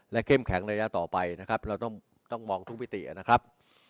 เข้มแข็งระยะต่อไปนะครับเราต้องมองทุกมิตินะครับ